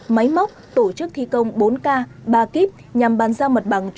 máy móc tổ chức thi công bốn k ba kíp nhằm bàn giao mặt bằng